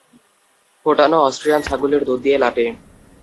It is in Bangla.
ফোটানো অস্ট্রিয়ান ছাগলের দুধ দিয়ে লাটে!